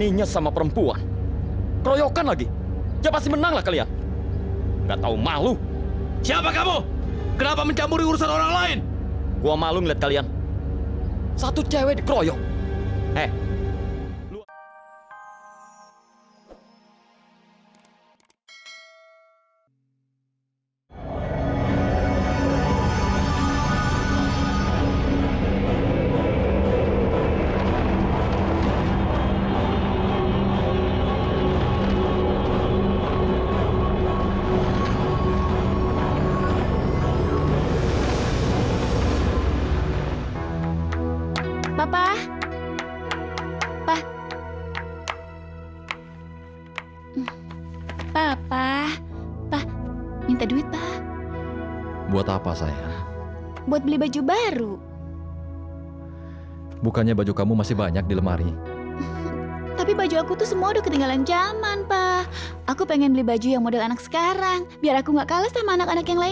ispon star indonesia season dua mulai dua puluh sembilan oktober di gtv